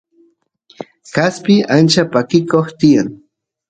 kaspi ancha pakikoq tiyan